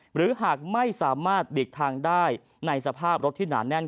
หรือหากไม่สามารถหลีกทางได้ในสภาพรถที่หนาแน่น